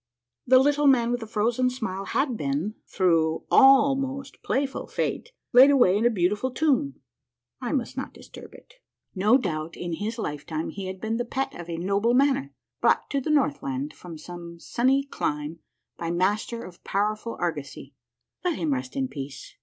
The Little Man with the Frozen Smile had been, through al most playful fate, laid away in a beautiful tomb. I must not disturb it. No doubt in his lifetime he had been the pet of a noble manor, brought to the Northland from some sunny clime by master of powerful argosy. Let him rest in peace.